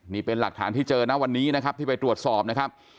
นี่เป็นหลักฐานที่เจอนะวันนี้นะครับที่ไปตรวจสอบนะครับ